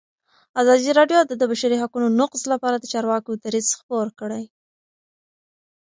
ازادي راډیو د د بشري حقونو نقض لپاره د چارواکو دریځ خپور کړی.